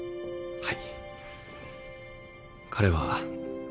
はい。